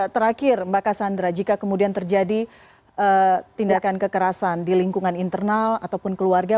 terakhir mbak cassandra jika kemudian terjadi tindakan kekerasan di lingkungan internal ataupun keluarga